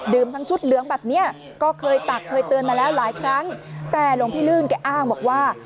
ทั้งชุดเหลืองแบบเนี้ยก็เคยตักเคยเตือนมาแล้วหลายครั้งแต่หลวงพี่ลื่นแกอ้างบอกว่า